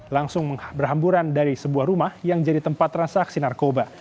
langsung berhamburan dari sebuah rumah yang jadi tempat transaksi narkoba